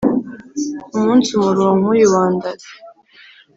umunsi umuruho nk’uyu wandaze